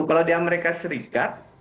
kalau di amerika serikat